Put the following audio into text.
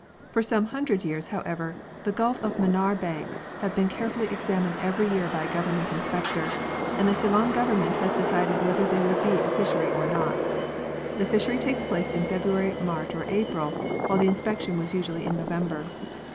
For some hundred years, however, the Gulf of Manaar banks have been carefully examined every year by a Government inspector, and the Ceylon Govern ment has decided whether there would be a fishery or not. The fishery takes place in February, March or April, while the inspection was usually in November.